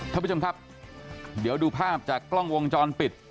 ท่านผู้ชมครับเดี๋ยวดูภาพจากกล้องวงจรปิด